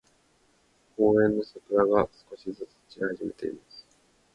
公園の桜が、少しずつ散り始めています。